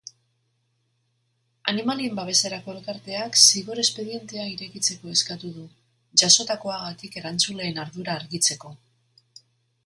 Animalien babeserako elkarteak zigor-espedientea irekitzeko eskatu du, jazotakoagatik erantzuleen ardura argitzeko.